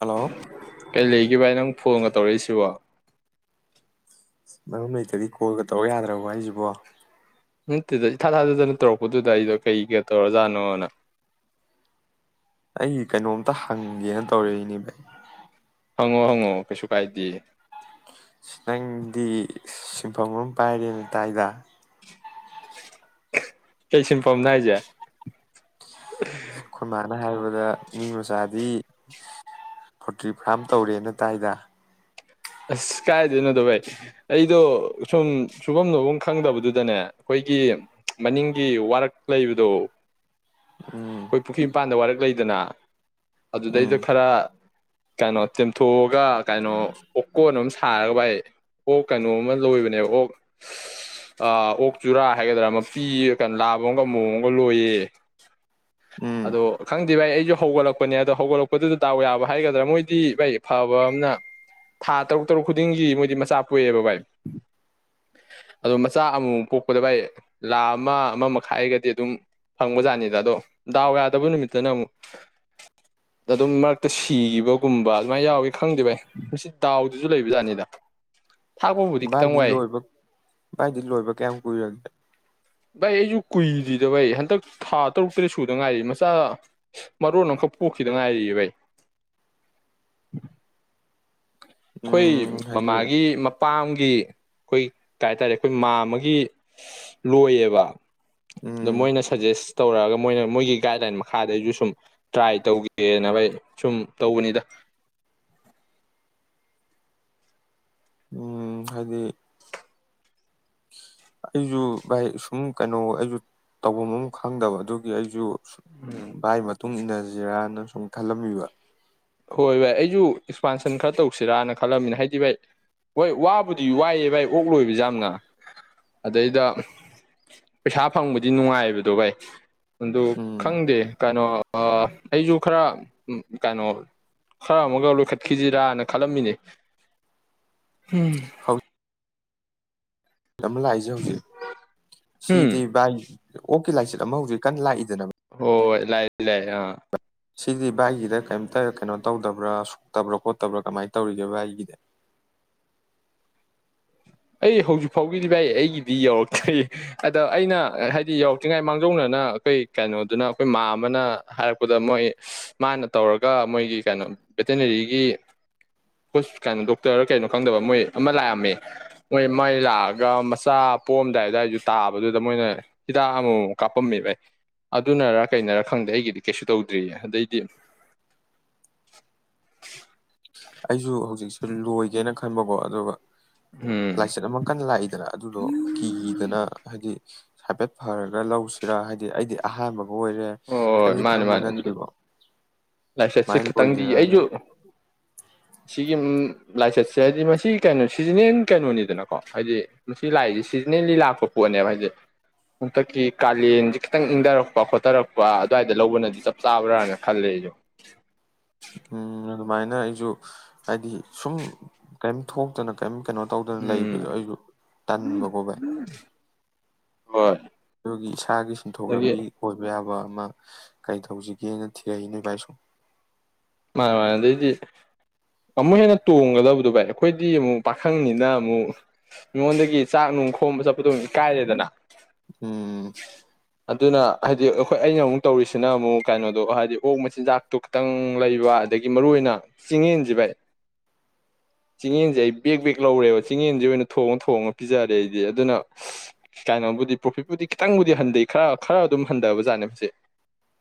hello ꯒꯤ ꯚꯥꯏ ꯅꯪ ꯐꯣꯟꯒ ꯇꯧꯔꯛꯏꯁꯤꯕꯣ ꯃꯔꯨꯝ ꯂꯩꯛꯇꯗꯤ ꯀꯣꯜꯒ ꯇꯧ ꯌꯥꯗ꯭ꯔꯕ ꯑꯩꯁꯤꯕꯣ ꯅꯠꯇꯗ ꯏꯊꯥ ꯊꯥꯗꯗꯅ ꯇꯧꯔꯛꯄꯗꯨꯗ ꯑꯩꯗꯣ ꯀꯩ ꯀꯩ ꯇꯧꯔꯖꯥꯠꯅꯣꯅ ꯑꯩꯒꯤ ꯀꯩꯅꯣꯝꯇ ꯍꯪꯒꯦꯅ ꯇꯧꯔꯛꯏꯅꯦ ꯚꯥꯏ ꯍꯪꯉꯣ ꯍꯪꯉꯑꯣ ꯀꯩꯁꯨ ꯀꯥꯏꯗꯦ ꯅꯪꯗꯤ ꯁꯤꯟꯐꯝ ꯑꯃ ꯄꯥꯏꯔꯦꯅ ꯇꯥꯏꯗ ꯀꯩ ꯁꯤꯝ ꯄꯝꯅꯥ ꯍꯥꯏꯁꯦ ꯈꯨꯟꯃꯅ ꯍꯥꯏꯔꯕꯗ ꯃꯤ ꯃꯆꯥꯗꯤ ꯄꯣꯜꯇ꯭ꯔꯤ ꯐꯥꯔꯝ ꯇꯧꯔꯦꯅ ꯇꯥꯏꯗ ꯑꯁ ꯀꯥꯏꯗꯣꯏꯅꯣꯗꯣ ꯚꯩ ꯑꯩꯗꯣ ꯁꯨꯝ ꯁꯨꯐꯝꯗꯣꯐꯝ ꯈꯪꯗꯕꯗꯨꯗꯅꯦ ꯑꯩꯈꯣꯏꯒꯤ ꯃꯅꯤꯡꯒꯤ ꯋꯥꯔꯛ ꯂꯩꯕꯗꯣ ꯎꯝ ꯑꯩꯈꯣꯏ ꯄꯨ꯭ꯔꯤ ꯃꯄꯥꯟꯗ ꯋꯥꯔꯛ ꯑꯣꯛ ꯂꯩꯗꯅ ꯑꯗꯨꯗꯩꯗ ꯎꯝ ꯈꯔ ꯀꯩꯅꯣ ꯆꯦꯝꯊꯣꯛꯑꯒ ꯀꯩꯅꯣ ꯑꯣꯛꯀꯣꯟ ꯑꯃ ꯁꯥꯔꯒ ꯚꯥꯏ ꯑꯣꯛ hhꯀꯩꯅꯣ ꯑꯃ ꯂꯣꯏꯕꯅꯦ ꯑꯣꯛ ꯑꯣꯛ ꯆꯨꯔꯥ ꯍꯥꯏꯒꯗ꯭ꯔꯥ ꯃꯄꯤꯤ ꯀꯩꯅꯣ ꯂꯥꯕ ꯑꯃꯒ ꯃꯑꯣ ꯑꯃꯒ ꯂꯣꯏꯌꯦ ꯎꯝ ꯑꯗꯣ ꯈꯪꯗꯦ ꯚꯥꯏ ꯑꯩꯁꯨ ꯍꯧꯒꯠꯂꯛꯄꯅꯦ ꯑꯗꯣ ꯍꯧꯒꯠꯂꯛꯄꯗꯨꯗ ꯗꯥꯎ ꯌꯥꯕ ꯍꯥꯏꯒꯗ꯭ꯔꯥ ꯃꯣꯏꯗꯤ ꯚꯥꯏ ꯐꯕ ꯑꯃꯅ ꯊꯥ ꯇꯔꯨꯛ ꯇꯔꯨꯛ ꯈꯨꯗꯤꯡꯒꯤ ꯃꯣꯏꯗꯤ ꯃꯆꯥ ꯄꯣꯛꯑꯦꯕ ꯚꯥꯏ ꯑꯗꯣ ꯃꯆꯥ ꯑꯃꯨꯛ ꯄꯣꯛꯄꯗ ꯚꯥꯏ ꯂꯥꯈ ꯑꯃ ꯑꯃ ꯃꯈꯥꯏꯒꯗꯤ ꯑꯗꯨꯝ ꯐꯪꯕ ꯖꯥꯠꯅꯤꯗ ꯑꯗꯣ ꯗꯥꯎ ꯌꯥꯗꯕ ꯅꯨꯃꯤꯠꯇꯅ ꯑꯃꯨꯛ ꯑꯗꯨꯝ ꯃꯔꯛꯇ ꯁꯤꯈꯤꯕꯒꯨꯝꯕ ꯑꯗꯨꯃꯥꯏꯅ ꯌꯥꯎꯒꯦ ꯈꯪꯗꯦꯕꯚ ꯑꯩ ꯃꯁꯤ ꯗꯥꯎꯗꯨꯁꯨ ꯂꯩꯕꯖꯥꯠꯅꯤꯗ ꯊꯥꯛꯄꯕꯨꯗꯤ ꯈꯤꯇꯪ ꯚꯥꯏꯗꯤ ꯋꯥꯏ ꯂꯣꯏꯕ ꯚꯥꯏꯗꯤ ꯂꯣꯏꯕ ꯀꯌꯥꯝ ꯀꯨꯏꯔꯒꯦ ꯚꯩ ꯑꯩꯁꯨ ꯀꯨꯏꯗ꯭ꯗꯕꯩ ꯍꯟꯗꯛ ꯊꯥ ꯇꯔꯨꯛꯇꯔ ꯁꯨꯗ ꯉꯥꯏꯔꯤ ꯃꯆꯥ ꯃꯔꯣꯟ ꯑꯃꯈꯛ ꯄꯣꯛꯈꯤꯗ ꯉꯥꯏꯔꯤ ꯚꯩ ꯑꯩꯈꯣꯏ ꯎꯝ ꯍꯥꯏꯗꯤ ꯃꯃꯥꯒꯤ ꯃꯄꯥꯝ ꯒꯤ ꯑꯩꯈꯣꯏ ꯀꯩꯇꯥꯔꯦ ꯑꯩꯈꯣꯏ ꯃꯥ ꯑꯃꯒꯤ ꯂꯣꯏꯌꯦꯕ ꯑꯗꯣ ꯎꯝ ꯃꯣꯏꯅ ꯁꯖꯦꯁ ꯇꯧꯔꯛꯑꯒ ꯃꯣꯏꯅ ꯃꯣꯏꯒꯤ ꯒꯥꯏꯗꯂꯥꯏꯟ ꯃꯈꯥꯗꯁꯨ ꯁꯨꯝ ꯇ꯭ꯔꯥꯏ ꯇꯧꯒꯦꯅꯅꯕ ꯁꯨꯝ ꯇꯧꯕꯅꯤꯗ ꯎꯝ ꯍꯥꯏꯗꯤ ꯑꯩꯁꯨ ꯚꯥꯏ ꯁꯨꯝ ꯀꯩꯅꯣ ꯑꯩꯁꯨ ꯇꯧꯐꯝ ꯑꯃ ꯈꯪꯗꯕ ꯑꯗꯨꯒꯤ ꯑꯩꯁꯨ ꯚꯏ ꯃ ꯃꯇꯨꯡꯨꯡ ꯏꯟꯅꯁꯤꯔꯅ ꯁꯨꯝ ꯈꯜꯂꯝꯕꯤꯕ ꯍꯣꯏ ꯚꯥꯏ ꯑꯩꯁꯨ ꯑꯦꯛꯁꯄꯥꯟꯁꯟ ꯈꯔ ꯇꯧꯁꯤꯔꯅ ꯈꯜꯂꯝꯃꯤꯅ ꯍꯥꯏꯗꯤ ꯚꯥꯏ ꯍꯣꯏ ꯋꯥꯕꯨꯗꯤ ꯋꯥꯏꯑꯦ ꯚꯥꯏ ꯑꯣꯛꯂꯣꯏꯕꯁꯦ ꯌꯥꯝꯅ ꯑꯗꯩꯗ ꯄꯩꯁꯥ ꯐꯪꯕꯗꯤ ꯅꯨꯡꯉꯥꯏꯕꯗꯣ ꯚꯥꯏ ꯑꯗꯨ ꯎꯝ ꯈꯪꯗꯦ ꯀꯩꯅꯣ ꯑꯩꯁꯨ ꯈꯔ ꯀꯩꯅꯣ ꯈꯔ ꯑꯃꯒ ꯂꯣꯏꯈꯠꯈꯤꯁꯤꯔꯥꯅ ꯈꯜꯂꯝꯃꯤꯅꯦ ꯎꯝ ꯍꯧ ꯑꯃ ꯂꯥꯛꯏꯁꯦ ꯍꯧꯖꯤꯛ ꯁꯤꯗꯤ ꯚꯏ ꯑꯣꯦ ꯂꯥꯏꯆꯠ ꯑꯃ ꯍꯧꯖꯤꯛ ꯀꯟꯅ ꯂꯥꯛꯏꯗꯅ ꯑꯣ ꯂꯥꯏ ꯂꯩ ꯑꯥ ꯁꯤꯗꯤ ꯕꯥꯏꯒꯤꯗ ꯀꯩꯝꯇ ꯀꯩꯅꯣ ꯇꯧꯗꯕ꯭ꯔꯥ ꯁꯣꯛꯇꯕ꯭ꯔꯥ ꯈꯣꯠꯇꯕ꯭ꯔꯥ ꯀꯃꯥꯏꯅ ꯇꯧꯔꯤꯒꯦ ꯕꯥꯏꯒꯤꯗ ꯑꯩ ꯍꯧꯖꯤꯛ ꯐꯥꯎꯒꯤꯗꯤ ꯚꯥꯏ ꯑꯩꯒꯤꯗꯤ ꯌꯧꯔꯛꯇ꯭ꯔꯤ ꯑꯗ ꯑꯩꯅ ꯍꯥꯏꯗꯤ ꯌꯧꯔꯛꯇ꯭ꯔꯤꯉꯩ ꯃꯥꯡꯖꯧꯅꯅ ꯑꯩꯈꯣꯏ ꯀꯩꯅꯣꯗꯨꯅ ꯑꯩꯈꯣꯏ ꯃꯥ ꯑꯃꯅ ꯍꯥꯏꯔꯛꯄꯗ ꯃꯣꯏ ꯃꯥꯅ ꯇꯧꯔꯒ ꯃꯣꯏꯒꯤ ꯀꯩꯅꯣ ꯚꯦꯇꯤꯅꯔꯤꯒꯤ ꯀꯩꯅꯣ ꯗꯣꯛꯇꯔ ꯀꯩꯅꯣ ꯈꯪꯗꯕ ꯃꯣꯏ ꯑꯃ ꯂꯥꯛꯑꯝꯃꯦ ꯃꯣꯏ ꯃꯥꯏ ꯂꯥꯛꯑꯒ ꯃꯆꯥ ꯄꯣꯑꯝꯗꯥꯏ ꯑꯗꯨꯋꯥꯏꯁꯨ ꯇꯥꯕꯗꯨꯗ ꯃꯣꯏꯅ ꯍꯤꯗꯥꯛ ꯑꯃꯃꯝꯛ ꯀꯥꯞꯄꯝꯃꯦꯕ ꯑꯗꯨꯅꯔ ꯀꯩꯅꯣꯔꯥ ꯈꯪꯗꯦ ꯑꯩꯒꯤꯗꯤ ꯀꯩꯁꯨ ꯇꯧꯗ꯭ꯔꯤꯌꯦ ꯑꯗꯩꯗꯤ ꯑꯩꯁꯨ ꯍꯧꯖꯤꯛꯁꯨ ꯂꯣꯏꯒꯦꯅ ꯈꯟꯕꯀꯣ ꯑꯗꯨꯒ ꯎꯝ ꯂꯥꯏꯆꯠ ꯑꯃ ꯀꯟꯅ ꯂꯥꯛꯏꯗꯅ ꯑꯗꯨꯗꯣ ꯀꯤ ꯀꯤꯗꯅ ꯍꯥꯏꯗꯤ ꯍꯥꯏꯐꯦꯠ ꯐꯔꯒ ꯂꯧꯁꯤꯔ ꯍꯥꯏꯗꯤ ꯑꯩꯗꯤ ꯑꯍꯥꯟꯕ ꯑꯣꯏꯣꯏꯔꯦ ꯍꯣꯏ ꯀꯔꯤꯝꯁꯨ ꯈꯪꯕ ꯅꯠꯇ꯭ꯔꯤꯀꯣ ꯂꯥꯏꯁꯥꯏꯠ ꯁꯤ ꯁꯨꯃꯥꯏꯅ ꯈꯤꯇꯪꯗꯤ ꯂꯣꯏꯁꯤꯔꯅ ꯑꯩꯁꯨ ꯁꯤꯒꯤ ꯂꯥꯏꯆꯠꯁꯦ ꯍꯥꯏꯗꯤ ꯃꯁꯤ ꯀꯩꯅꯣ ꯁꯤꯖꯟꯅꯦꯟ ꯀꯩꯅꯣꯅꯤꯗꯅꯀꯣ ꯍꯥꯏꯗꯤ ꯃꯁꯤ ꯂꯥꯏꯁ ꯁꯤꯖꯟꯅꯜꯂꯤ ꯂꯥꯛꯄ ꯄꯣꯠꯅꯦꯕ ꯍꯥꯏꯗꯤꯦ ꯍꯣꯡꯇꯛꯀꯤ ꯀꯥꯂꯦꯟꯁꯦ ꯈꯤꯇꯪ ꯏꯪꯊꯔꯛꯄ ꯈꯣꯊꯔꯛꯄ ꯑꯗꯨꯋꯥꯏꯗ ꯂꯧꯕꯅꯗꯤ ꯆꯞ ꯆꯥꯕ꯭ꯔꯥꯅ ꯈꯜꯂꯦ ꯑꯩꯁꯨ [unintelligible] ꯎꯝ ꯑꯗꯨꯃꯥꯏꯅ ꯑꯩꯁꯨ ꯍꯥꯏꯗꯤ ꯁꯨꯝ ꯀꯔꯤꯝ ꯊꯣꯛꯇꯅ ꯀꯔꯤꯝ ꯀꯩꯅꯣ ꯇꯧꯗꯅ ꯂꯩꯕꯗꯣ ꯎꯝ ꯑꯩꯁꯨ ꯇꯟꯕꯀꯣ ꯚꯏ ꯍꯣꯏ ꯑꯗꯨꯒꯤ ꯏꯁꯥꯒꯤ ꯁꯦꯟꯊꯣꯛ ꯑꯗꯒꯤ ꯂꯝꯕꯤ ꯑꯣꯏꯕ ꯌꯥꯕ ꯀꯩ ꯇꯧꯁꯤꯒꯦꯅ ꯊꯤꯔꯛꯏ ꯅꯣꯏ ꯚꯥꯏ ꯁꯣ ꯃꯥꯅꯦ ꯃꯥꯅꯦ ꯑꯗꯩꯗꯤ ꯑꯃꯨꯛ ꯍꯦꯟꯅ ꯇꯣꯡꯒꯗꯕꯗꯣ ꯚꯥꯏ ꯑꯩꯈꯣꯏꯗꯤ ꯑꯃꯨꯛ ꯄꯥꯈꯪꯅꯤꯅ ꯑꯃꯨꯛ ꯃꯤꯉꯣꯟꯗꯒꯤ ꯆꯥꯛ ꯅꯨꯡ ꯈꯣꯝꯕ ꯆꯠꯄꯗꯣꯛ ꯏꯀꯥꯏꯔꯦꯗꯅ ꯎꯝ ꯑꯗꯨꯅ ꯍꯥꯏꯗꯤ ꯑꯩꯈꯣꯏ ꯑꯩꯅ ꯑꯃꯨꯛ ꯇꯧꯔꯤꯁꯤꯅ ꯑꯃꯨꯛ ꯀꯩꯅꯣꯗꯣ ꯍꯥꯏꯗꯤ ꯑꯣꯛ ꯃꯆꯤꯟꯖꯥꯛꯇꯣ ꯈꯤꯇꯪ ꯂꯩꯕ ꯑꯗꯒꯤ ꯃꯔꯨꯑꯣꯏ ꯑꯣꯏꯅ ꯆꯦꯡꯌꯦꯟꯁꯦ ꯚꯥꯏ ꯆꯦꯡꯌꯦꯦꯟꯁꯦ ꯑꯩ ꯕꯦꯛ ꯕꯦꯛ ꯂꯧꯔꯦꯕ ꯆꯤꯡꯌꯦꯦꯟꯁꯦ ꯑꯣꯏꯅ ꯊꯣꯡꯉ ꯊꯣꯡꯉ ꯄꯤꯖꯔꯦ ꯑꯩꯗꯤ ꯑꯗꯨꯅ ꯀꯥꯏꯅꯣꯕꯨꯗꯤ ꯄ꯭ꯔꯣꯐꯤꯠꯄꯨꯗꯤ ꯈꯤꯇꯪꯕꯨꯗꯤ ꯍꯟꯊꯩ ꯈꯔ ꯈꯔ ꯑꯗꯨꯝ ꯍꯟꯊꯕꯖꯥꯠꯅꯦ ꯍꯧ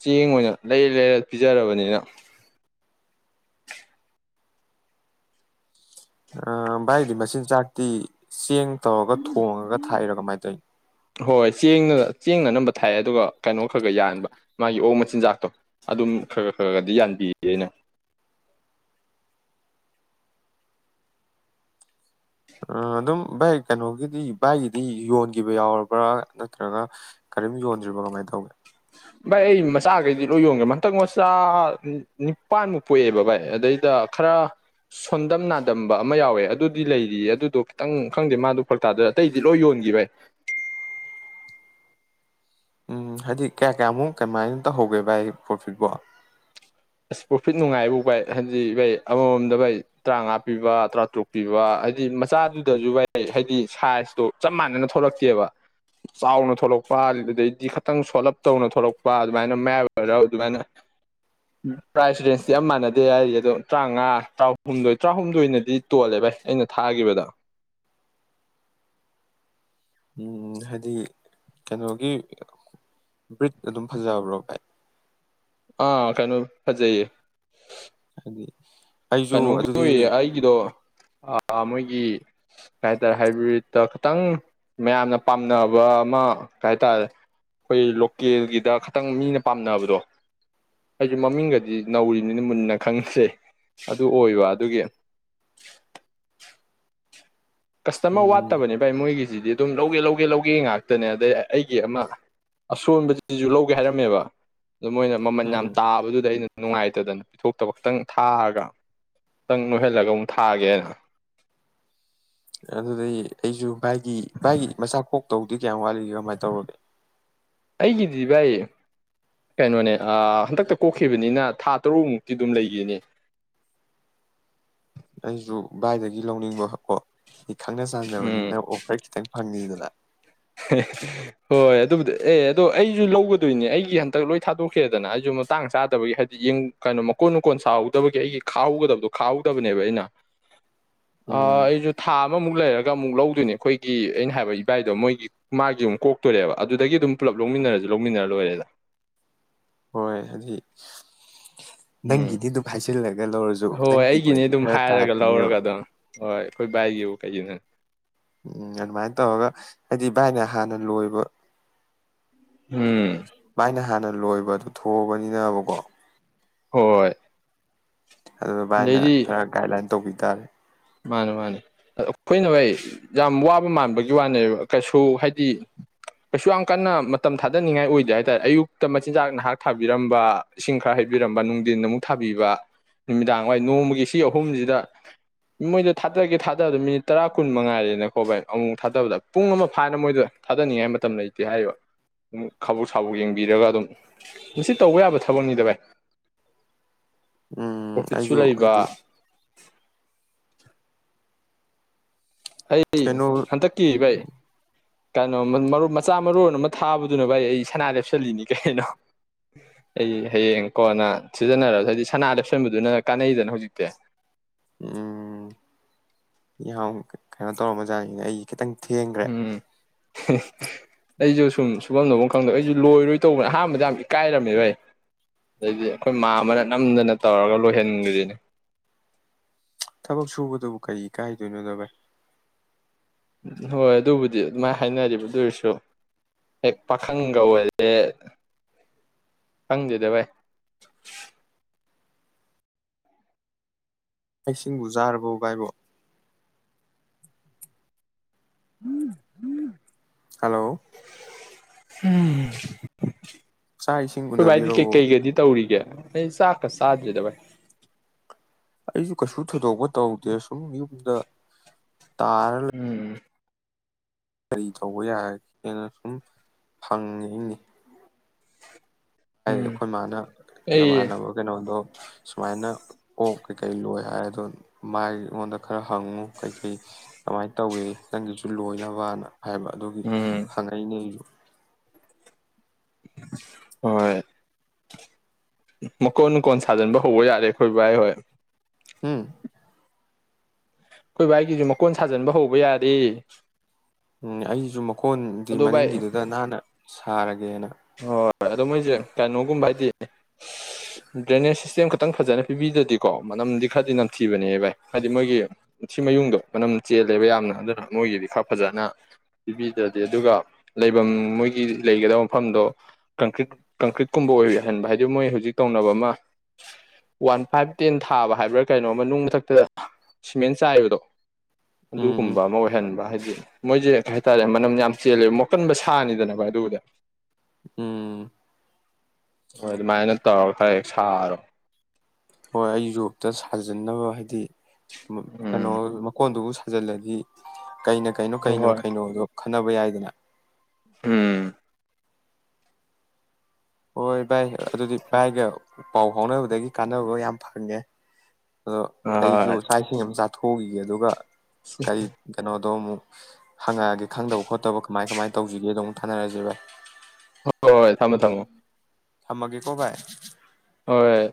ꯆꯌꯦ ꯑꯣꯏꯅ ꯂꯩꯔ ꯂꯩꯔ ꯄꯤꯖꯔꯕꯅꯤꯅ ꯑ ꯚꯥꯏꯗꯤ ꯃꯆꯤꯟꯖꯥꯛꯇꯤ ꯆꯦꯡ ꯇꯧꯔꯒ ꯊꯣꯡꯉꯒ ꯊꯥꯏꯔꯣ ꯀꯃꯥꯏꯅ ꯇꯧꯅꯤ ꯍꯣꯏ ꯆꯦꯡ ꯆꯦꯡꯅ ꯑꯅꯝꯕ ꯊꯥꯏ ꯑꯗꯨꯒ ꯀꯩꯅꯣ ꯈꯔ ꯈꯔ ꯌꯥꯟꯕ ꯃꯥꯒꯤ ꯑꯣ ꯃꯆꯤꯟꯖꯥꯛꯇꯣ ꯑꯗꯨꯝ ꯈꯔ ꯈꯔ ꯈꯗꯤ ꯌꯥꯟꯕꯤꯌꯦ ꯑꯩꯅ ꯑꯗꯨꯝ ꯚꯥꯏ ꯀꯩꯅꯣꯒꯤꯗꯤ ꯚꯥꯏꯒꯤꯗꯤ ꯌꯣꯟꯈꯤꯕ ꯌꯥꯎꯔꯕ꯭ꯔꯥ ꯅꯠꯇ꯭ꯔꯒ ꯀꯔꯤꯝ ꯌꯣꯟꯗ꯭ꯔꯤꯕꯣ ꯀꯃꯥꯏꯅ ꯇꯧꯒꯦ ꯚꯥꯏ ꯑꯩ ꯃꯆꯥꯈꯩꯗꯤ ꯂꯣꯏ ꯌꯣꯟꯈ꯭ꯔꯦ ꯃꯟꯇꯪ ꯃꯆꯥ ꯅꯤꯄꯥꯟꯃꯨꯛ ꯄꯣꯛꯑꯦꯕ ꯚꯥꯏ ꯑꯗꯩꯗ ꯈꯔ ꯁꯣꯟꯗꯝ ꯅꯥꯗꯝꯕ ꯑꯃ ꯌꯥꯎꯋꯦ ꯑꯗꯨꯗꯤ ꯂꯩꯔꯤꯌꯦ ꯑꯗꯨꯗꯣ ꯈꯤꯇꯪ ꯈꯪꯗꯦ ꯃꯥꯗꯣ ꯐꯛ ꯇꯥꯗ ꯑꯇꯩꯗꯤ ꯂꯣꯏ ꯌꯣꯟꯈꯤ ꯚꯥꯏ ꯎꯝ ꯍꯥꯏꯗꯤ ꯀꯌꯥ ꯀꯌꯥꯃꯨꯛ ꯀꯃꯥꯏꯅ ꯇꯧꯍꯧꯒꯦ ꯚ ꯑꯩ ꯄ꯭ꯔꯣꯐꯤꯠꯕꯣ ꯑꯁ ꯄ꯭ꯔꯣꯐꯤꯠ ꯅꯨꯡꯥꯏꯐꯥꯎ ꯚ ꯍꯥꯏꯗꯤ ꯚꯩ ꯑꯃꯃꯝꯗ ꯚꯩ ꯇꯔꯥꯃꯉꯥ ꯄꯤꯕ ꯇꯔꯥꯇꯔꯨꯛ ꯄꯤꯕ ꯍꯥꯏꯗꯤ ꯃꯆꯥꯗꯨꯗꯁꯨ ꯥꯏ ꯍꯥꯏꯗꯤ ꯁꯥꯏꯖꯇꯣ ꯆꯞ ꯃꯥꯟꯅꯅ ꯊꯣꯛꯂꯛꯇꯦꯕ ꯆꯥꯎꯅ ꯊꯣꯛꯂꯛꯄ ꯑꯗꯨꯗꯩꯗꯤ ꯈꯤꯇꯪ ꯁꯣꯜꯂꯞ ꯇꯧꯅ ꯊꯣꯛꯂꯛꯄ ꯑꯗꯨꯃꯥꯏꯅ ꯃꯌꯥꯏ ꯑꯣꯏꯔ ꯑꯗꯨꯃꯥꯏꯅ ꯄ꯭ꯔꯥꯏꯖ ꯔꯦꯟꯖꯇꯤ ꯌꯥꯝ ꯃꯥꯟꯅꯗꯦ ꯍꯥꯏꯔꯤ ꯑꯗꯣ ꯇꯔꯥꯃꯉꯥ ꯇꯔꯥꯍꯨꯝꯗꯣꯏ ꯇꯔꯥꯍꯨꯝꯗꯣꯏꯅꯗꯤ ꯇꯣꯜꯂꯦ ꯚꯥꯏ ꯑꯩꯅ ꯊꯥꯈꯤꯕꯗ ꯎ ꯍꯥꯏꯗꯤ ꯀꯩꯅꯣꯒꯤ ꯕ꯭ꯔꯤꯠ ꯑꯗꯨꯝ ꯐꯖꯕ꯭ꯔꯣ ꯚꯥꯏ ꯑꯥ ꯀꯩꯅ ꯐꯖꯩꯌꯦ ꯎ ꯀꯩꯅꯣꯒꯤ ꯑꯣꯏꯌꯦ ꯑꯩꯒꯤꯗꯣ ꯃꯣꯏ ꯒꯤ ꯀꯩ ꯍꯥꯏꯇꯥꯔꯦ ꯍꯥꯏꯕ꯭ꯔꯤꯠꯇ ꯈꯤꯇꯪ ꯃꯌꯥꯝꯅ ꯄꯥꯝꯅꯕ ꯑꯃ ꯀꯩ ꯍꯥꯏꯇꯥꯔꯦ ꯑꯩꯈꯣꯏ ꯂꯣꯀꯦꯜꯒꯤꯗ ꯈꯤꯇꯪ ꯃꯤꯅ ꯄꯥꯝꯅꯕꯗꯣ ꯑꯩꯁꯨ ꯃꯃꯤꯡꯒꯗꯤ ꯅꯧꯔꯤꯅꯤꯅ ꯃꯨꯟꯅ ꯈꯪꯉꯤꯁꯦ ꯑꯗꯨ ꯑꯣꯏꯕ ꯑꯗꯨꯒꯤ ꯀꯁꯇꯃꯔ ꯎꯝ ꯋꯥꯠꯇꯕꯅꯤ ꯚꯥꯏ ꯃꯣꯏꯒꯤꯁꯤꯗꯤ ꯑꯗꯨꯝ ꯂꯧꯒꯦ ꯂꯧꯒꯦ ꯂꯧꯒꯦ ꯉꯥꯛꯇꯅꯦ ꯑꯗꯩ ꯑꯩꯒꯤ ꯑꯃ ꯑꯁꯣꯟꯕꯕꯁꯤꯁꯨ ꯂꯧꯒꯦ ꯍꯥꯏꯔꯝꯃꯦꯕ ꯑꯗꯨ ꯃꯣꯏꯅ ꯃꯃꯜ ꯎꯝ ꯌꯥꯝ ꯇꯥꯕꯗꯨꯗ ꯑꯩꯅ ꯅꯨꯡꯉꯥꯏꯇꯗꯅ ꯄꯤꯊꯣꯛꯇꯕ ꯈꯇꯪ ꯊꯥꯔꯒ ꯈꯤꯇꯪ ꯅꯣꯏꯍꯜꯂꯒ ꯑꯃꯨꯛ ꯊꯥꯒꯦꯅ ꯑꯗꯨꯗꯒꯤꯩ ꯑꯩꯁꯨ ꯚꯥꯏꯒꯤ ꯚꯥꯏꯒꯤ ꯃꯆꯥ ꯀꯣꯛ ꯇꯧꯗꯤ ꯀꯌꯥꯝ ꯋꯥꯠꯂꯤꯒꯦ ꯀꯃꯥꯏꯅ ꯇꯧꯔꯒꯦ ꯑꯩꯒꯤꯗꯤ ꯚꯥꯏ ꯀꯩꯅꯣꯅꯦ ꯍꯟꯗꯛꯇ ꯀꯣꯛꯈꯤꯕꯅꯤꯅ ꯊꯥ ꯇꯔꯨꯛꯃꯨꯛꯇꯤ ꯑꯗꯨꯝ ꯂꯩꯈꯤꯅꯦ ꯑꯩꯁꯨ ꯚꯥꯏꯗꯒꯤ ꯂꯧꯅꯤꯡꯕꯄꯣ ꯑꯩ ꯈꯪꯅ ꯆꯥꯟꯅꯕꯅꯤ ꯎꯝ ꯅꯪ ꯑꯣꯐꯔ ꯈꯤꯇꯪ ꯐꯪꯉꯤꯗꯨꯗ ꯑꯦ ꯍꯣꯏ ꯑꯗꯨꯕꯨꯗꯤ ꯑꯦ ꯑꯗꯣ ꯑꯩꯁꯨ ꯂꯧꯒꯗꯣꯏꯅꯦ ꯑꯩꯒꯤ ꯍꯟꯇꯛ ꯂꯣꯏ ꯊꯥꯗꯣꯛꯀꯦꯗꯅ ꯑꯩꯁꯨ ꯃꯇꯥꯡ ꯆꯥꯗꯕꯒꯤ ꯍꯥꯏꯗꯤ ꯌꯦꯡ ꯀꯩꯅꯣ ꯃꯀꯣꯟ ꯃꯀꯣꯟ ꯁꯥꯍꯧꯗꯕꯒꯤ ꯑꯩꯒꯤ ꯈꯥꯍꯧꯒꯗꯕꯗꯣ ꯈꯥꯍꯧꯗꯕꯅꯦꯕ ꯑꯩꯅ ꯑ ꯎꯝ ꯑꯩꯁꯨ ꯊꯥ ꯑꯃꯃꯨꯛ ꯂꯩꯔꯒ ꯑꯃꯨꯛ ꯂꯧ ꯑꯗꯨꯅꯦ ꯑꯩꯈꯣꯏꯒꯤ ꯑꯩꯅ ꯍꯥꯏꯕ ꯏꯕꯥꯏꯗꯣ ꯃꯣꯏꯒꯤ ꯃꯥꯒꯤ ꯑꯃꯝ ꯀꯣꯛꯇꯣꯔꯦꯕ ꯑꯗꯨꯗꯒꯤ ꯑꯗꯨꯝ ꯄꯨꯂꯞ ꯂꯧꯃꯤꯟꯅꯔꯁꯨ ꯂꯧꯃꯤꯟꯅꯔ ꯂꯣꯏꯔꯦꯗ ꯍꯣꯏ ꯍꯥꯏꯗꯤ ꯎꯝ ꯅꯪꯒꯤꯤꯗꯤꯗꯨ ꯐꯥꯏꯁꯤꯂꯒꯂꯣ ꯍꯣꯏ ꯑꯩꯒꯤꯅꯤ ꯑꯗꯨꯝ ꯍꯥꯏꯔꯒ ꯂꯧꯔꯒ ꯑꯗꯨꯝ ꯍꯣꯏ ꯑꯩꯈꯣꯏ ꯕꯥꯏꯒꯤ ꯀꯩꯒꯤ ꯅꯪ ꯎꯝ ꯑꯗꯨꯃꯥꯏꯅ ꯇꯧꯔꯒ ꯍꯥꯏꯗꯤ ꯚꯥꯏꯅ ꯍꯥꯟꯅ ꯂꯣꯏꯕ ꯎꯝ ꯃꯥꯥꯏꯅ ꯍꯅ ꯂꯣꯏꯕ ꯑꯗꯨ ꯊꯣꯛꯑꯕꯅꯤꯅꯕꯀꯣ ꯍꯣꯏ ꯑꯗꯨ ꯚꯥꯏꯅ ꯑꯗꯩꯗꯤ ꯈꯔ ꯒꯥꯏꯗꯂꯥꯏꯟ ꯇꯧꯕꯤꯦ ꯇꯥꯔꯦ ꯃꯥꯅꯦ ꯃꯥꯅꯦ ꯑ ꯑꯩꯈꯣꯏꯅ ꯍꯥꯏ ꯌꯥꯝ ꯋꯥꯕ ꯃꯥꯟꯕꯒꯤ ꯋꯥꯅꯦꯕ ꯀꯩꯁꯨ ꯍꯥꯏꯗꯤ ꯀꯩꯁꯨ ꯌꯥꯝ ꯀꯟꯅ ꯃꯇꯝ ꯊꯥꯗꯅꯤꯡꯉꯥꯏ ꯑꯣꯏꯗꯦ ꯍꯥꯏ ꯇꯔꯦ ꯑꯌꯨꯛꯇ ꯃꯆꯤꯟꯖꯥꯛ ꯅꯍꯥꯛ ꯊꯥꯕꯤꯔꯝꯕ ꯏꯁꯤꯡ ꯈꯔ ꯍꯩꯕꯤꯔꯝꯕ ꯅꯨꯡꯊꯤꯟꯗ ꯑꯃꯨꯛ ꯊꯥꯕꯤꯕ ꯅꯨꯃꯤꯗꯥꯡ ꯋꯥꯏ ꯅꯣꯡꯃꯒꯤ ꯁꯤ ꯑꯍꯨꯝꯁꯤꯗ ꯃꯣꯏꯗꯣ ꯊꯥꯗꯔꯛꯀꯦ ꯊꯥꯗꯕꯗ ꯃꯤꯅꯤꯠ ꯇꯔꯥ ꯀꯨꯟ ꯃꯉꯥꯏꯔꯦꯅꯀꯣ ꯚꯏ ꯑꯃꯨꯛ ꯊꯥꯗꯕꯗ ꯄꯨꯡ ꯑꯃ ꯐꯥꯅ ꯃꯣꯏꯗꯣ ꯊꯥꯗꯅꯤꯡꯉꯥꯏ ꯃꯇꯝ ꯂꯩꯇꯦ ꯍꯥꯏꯔꯤꯕ ꯈꯥꯕꯣꯛꯛ ꯁꯥꯕꯣꯛ ꯌꯦꯡꯕꯤꯔꯒ ꯑꯗꯨꯝ ꯃꯁꯤꯁꯤ ꯇꯧꯕ ꯌꯥꯕ ꯊꯕꯛꯅꯤꯗ ꯚꯥꯏ ꯎꯝ ꯄ꯭ꯔꯣꯐꯤꯠꯁꯨ ꯑꯩꯁꯨ ꯂꯩꯕ ꯍꯥꯏꯗꯤ ꯑꯩ ꯀꯩꯅꯣ ꯍꯟꯗꯛꯀꯤ ꯩ ꯀꯩꯅꯣ ꯃꯔ ꯃꯆꯥ ꯃꯔꯣꯟ ꯑꯃ ꯊꯥꯕꯗꯨꯅ ꯚꯥꯏ ꯑꯩ ꯁꯅꯥ ꯂꯦꯞꯁꯤꯜꯂꯤꯅꯤ ꯀꯩꯅꯣ ꯑꯩ ꯍꯌꯦꯡ ꯀꯣꯟꯅ ꯁꯤꯖꯤꯟꯅꯔꯁꯨ ꯍꯥꯏꯗꯤ ꯁꯅꯥ ꯂꯦꯞꯁꯟꯕꯗꯨꯅ ꯀꯥꯟꯅꯩꯗꯅ ꯍꯧꯖꯤꯛꯇꯤ ꯎꯝ ꯌꯥ ꯀꯩꯅꯣ ꯇꯧꯔꯝꯕ ꯆꯥꯅꯤꯅꯦ ꯑꯩ ꯈꯤꯇꯪ ꯊꯦꯡꯈ꯭ꯔꯦ ꯎꯝ ꯑꯩꯁꯨ ꯁꯨꯝ ꯁꯨꯐꯝꯝꯗꯐꯝ ꯈꯪꯗꯦ ꯑꯩꯁꯨ ꯂꯣꯏꯔꯣꯏ ꯇꯧꯕꯅꯦ ꯑꯍꯥꯟꯕꯗ ꯌꯥꯝ ꯏꯀꯥꯏꯔꯝꯃꯦꯕꯩ ꯑꯗꯩꯗꯤ ꯑꯩꯈꯣꯏ ꯃꯥ ꯑꯃꯅ ꯅꯝꯗꯅ ꯇꯧꯔꯒ ꯂꯣꯏꯍꯟꯈꯤꯔꯤꯅꯦ ꯀꯥꯏ ꯊꯅꯗꯕꯥꯥꯏ ꯍꯣꯏ ꯑꯗꯨꯕꯨꯗꯤ ꯑꯗꯨꯃꯥꯏꯅ ꯍꯥꯏꯅꯔꯤꯕꯗꯨꯔꯁꯨ ꯍꯦꯛ ꯄꯥꯈꯪ ꯀꯧ ꯑꯣꯏꯦ ꯈꯪꯗꯦꯗ ꯚꯥꯏ ꯑꯩꯁꯤꯡꯕꯨꯖꯥꯔꯕꯣ ꯕꯥꯥꯏꯕꯣ ꯎꯝ ꯍꯝ ꯍꯜꯂꯣ ꯎꯝ ꯆꯥꯛ ꯏꯁꯤꯡ ꯑꯩꯈꯣꯏ ꯚꯥꯏꯗꯤ ꯎꯅꯕꯤꯔꯕꯣ ꯀꯩꯀꯩꯒꯩꯗꯤ ꯇꯧꯔꯤꯒꯦ ꯑꯩ ꯆꯀꯁ ꯁꯥꯖꯕꯤꯗꯕꯥꯥꯏ ꯑꯩꯁꯨ ꯀꯩꯁꯨ ꯊꯣꯏꯗꯣꯛꯄ ꯇꯧꯗꯦ ꯁꯨꯝ ꯗ ꯇꯥꯔꯜ ꯎꯝ ꯀꯔꯤ ꯇꯧꯕ ꯌꯥꯔꯒꯦꯅ ꯁꯨꯝ ꯍꯪꯅꯤꯡꯏ ꯍꯥꯏ ꯎꯝ ꯑꯩꯈꯣꯏ ꯃꯥꯅ ꯑꯩ ꯅꯃꯥꯟꯅꯕ ꯀꯩꯅꯣꯗꯣ ꯁꯨꯃꯥꯏꯅ ꯑꯣ ꯀꯩꯀꯩ ꯂꯣꯏ ꯍꯥꯏꯔ ꯑꯗꯣ ꯃꯥꯏ ꯑꯩꯉꯣꯟꯗ ꯈꯔ ꯍꯪꯉꯨ ꯀꯩꯀꯩ ꯀꯃꯥꯏꯅ ꯇꯧꯏ ꯅꯪꯒꯤꯁꯨ ꯂꯣꯏꯅꯕꯅ ꯍꯥꯏꯕ ꯑꯗꯨꯒꯤ ꯎꯝ ꯍꯪꯉꯛꯏꯅꯦ ꯑꯩꯁꯨ ꯍꯣꯏ ꯃꯀꯣꯟ ꯅꯨꯡꯀꯣꯟ ꯁꯥꯖꯤꯟꯕ ꯍꯧꯕ ꯌꯥꯔꯦ ꯑꯩꯈꯣꯏ ꯚꯥꯏ ꯍꯣꯏ ꯎꯝ ꯑꯩꯈꯣꯏ ꯚ ꯑꯩꯒꯤꯁꯨ ꯃꯀꯣꯟ ꯁꯥꯖꯤꯟꯕ ꯍꯧꯕ ꯌꯥꯗꯦ ꯎꯝ ꯑꯩꯁꯨ ꯀꯣꯟꯗꯤ ꯃꯅꯤꯡꯒꯤꯗꯨꯗ ꯅꯍꯥꯟꯅ ꯁꯥꯔꯒꯦꯅ ꯍꯣꯏ ꯍꯣꯏ ꯑꯗꯣ ꯃꯣꯏꯁꯦ ꯀꯩꯅꯣꯒꯨꯝꯕ ꯍꯥꯏꯗꯤ ꯗ꯭ꯔꯦꯅꯦꯖ ꯁꯤꯁꯇꯦꯝ ꯈꯇꯪ ꯐꯖꯅ ꯄꯤꯕꯤꯗ꯭ꯔꯗꯤꯀꯣ ꯃꯅꯝꯗꯤ ꯈꯔꯗꯤ ꯅꯝꯊꯤꯕꯅꯦ ꯚꯥꯏ ꯍꯥꯏꯗꯤ ꯃꯣꯏꯒꯤ ꯁꯤꯃꯌꯨꯡꯗꯣ ꯃꯅꯝ ꯆꯦꯜꯂꯦꯕ ꯌꯥꯝꯅ ꯑꯗꯨꯅ ꯃꯣꯏꯒꯤꯗꯤ ꯈꯔ ꯐꯖꯅ ꯄꯤꯕꯤꯗ꯭ꯔꯗꯤ ꯑꯗꯨꯒ ꯂꯩꯐꯝ ꯃꯣꯏꯒꯤ ꯂꯩꯒꯗꯕ ꯃꯐꯝꯗꯣ ꯀꯪꯀ꯭ꯔꯤꯠ ꯀꯪꯀ꯭ꯔꯤꯠꯀꯨꯝꯕ ꯑꯣꯏꯍꯟꯕ ꯍꯥꯏꯗꯤ ꯃꯣꯏ ꯍꯧꯖꯤꯛ ꯇꯧꯅꯕ ꯑꯃ ꯋꯥꯟ ꯐꯥꯏꯚ ꯇꯦꯟ ꯊꯥꯕ ꯍꯥꯏꯕ꯭ꯔꯥ ꯀꯩꯅꯣꯝꯃ ꯅꯨꯡ ꯃꯊꯛꯇꯗ ꯁꯤꯃꯦꯟ ꯆꯥꯏꯕꯗꯣ ꯎꯝ ꯎꯝ ꯑꯗꯨꯒꯨꯝꯕ ꯑꯃ ꯑꯣꯏꯍꯟꯕ ꯍꯥꯏꯗꯤ ꯃꯣꯏꯁꯦ ꯀꯩ ꯍꯥꯏꯇꯥꯔꯦ ꯃꯅꯝ ꯌꯥꯝ ꯆꯦꯜꯂꯦꯕ ꯃꯣꯀꯟꯕ ꯁꯥꯅꯤꯗꯅꯅꯕ ꯑꯗꯨꯕꯨꯗ ꯎꯝ ꯍꯣꯏ ꯑꯗꯨꯃꯥꯏꯅ ꯇꯧꯔꯒ ꯈꯔ ꯍꯦꯛ ꯁꯥꯔꯣ ꯍꯣꯏ ꯑꯩ ꯌꯨꯔꯣꯞꯇ ꯁꯥꯖꯟꯅꯕ ꯍꯥꯏꯗꯤ ꯎꯝ ꯀꯩꯅꯣ ꯃꯀꯣꯟ ꯑꯗꯨ ꯐꯖꯤꯜꯂꯗꯤ ꯀꯩꯅꯣ ꯀꯩꯅꯣ ꯍꯣꯏ ꯀꯩꯅꯣ ꯍꯣꯏ ꯀꯩꯅꯣ ꯑꯗꯣ ꯈꯟꯅꯕ ꯌꯥꯏꯗꯅ ꯎꯝ ꯍꯣꯏ ꯚꯥꯏ ꯑꯗꯨꯗꯤ ꯚꯥꯏꯒ ꯄꯥꯎ ꯐꯥꯎꯅꯕꯗꯒꯤ ꯀꯥꯟꯅꯕ ꯌꯥꯝ ꯐꯪꯉꯦ ꯑꯗꯣ ꯍꯣꯏ ꯑꯩꯁꯨ ꯍꯣꯏ ꯆꯁꯤꯡ ꯑꯃ ꯆꯥꯊꯣꯛꯎꯈꯤ ꯑꯗꯨꯒ ꯀꯩ ꯀꯩꯅꯣꯗꯣ ꯍꯪꯉꯛꯑꯒꯦ ꯈꯪꯗꯕ ꯈꯣꯠꯇꯕ ꯀꯃꯥꯏ ꯀꯃꯥꯏꯅ ꯇꯧꯁꯤꯒꯦ ꯑꯗꯨ ꯊꯅꯔꯖꯔꯥꯏ ꯍꯣꯏ ꯍꯣꯏ ꯍꯣꯏ ꯊꯝꯃꯣ ꯊꯝꯃꯣ ꯊꯝꯃꯒꯦꯀꯣ ꯚꯥꯏ ꯍꯣꯏ